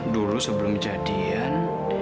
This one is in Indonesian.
dulu sebelum jadian